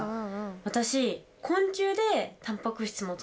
私。